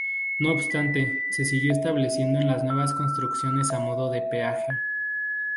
No obstante, se siguió estableciendo en las nuevas construcciones a modo de peaje.